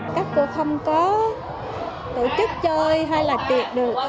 các cô không có tổ chức chơi hay là tuyệt được